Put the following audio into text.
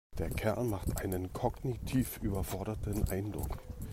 Der Kerl macht einen kognitiv überforderten Eindruck.